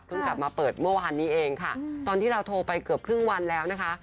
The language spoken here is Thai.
กลับมาเปิดเมื่อวานนี้เองค่ะตอนที่เราโทรไปเกือบครึ่งวันแล้วนะคะ